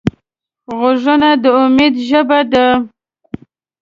غوږونه د امید ژبه ده